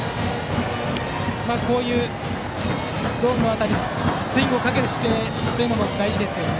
今のようなゾーンの辺りにスイングをかける姿勢は大事ですよね。